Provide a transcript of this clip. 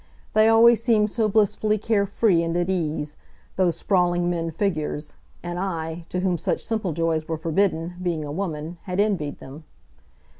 They always seemed so blissfully care free and at ease those sprawling men figures and I, to whom such simple joys were forbidden, being a woman, had envied them.